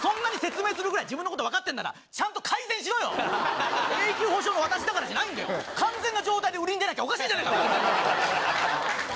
しかもそんなに説明するぐらい自分のことば言ってんだから、ちゃんと保証しろよ、永久保証の私じゃないんだから、完全な状態で売りに出なきゃおかしいじゃねぇか。